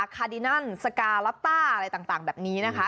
คาดินันสกาล็อตต้าอะไรต่างแบบนี้นะคะ